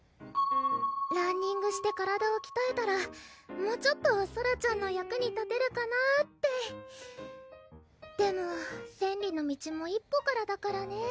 ランニングして体をきたえたらもうちょっとソラちゃんの役に立てるかなってでも「千里の道も一歩から」だからね